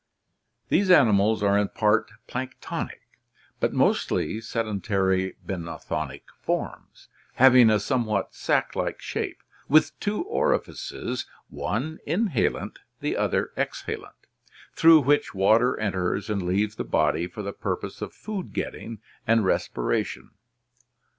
These animals (see Fig. 30) are in part planktonic, but mostly sedentary benthonic forms, having a somewhat sac like shape, with two orifices, one inhalant, the other exhalant, through which water enters and leaves the body for the purpose of food getting and respiration.